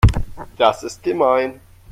Das ist gemein.